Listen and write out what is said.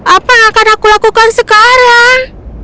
apa yang akan aku lakukan sekarang